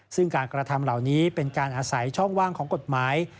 ซึ่งการกระทำเหล่านี้เป็นการอาศัยช่องว่างของกฎหมาย